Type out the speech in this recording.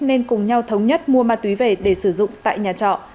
nên cùng nhau thống nhất mua ma túy về để sử dụng tại nhà trọ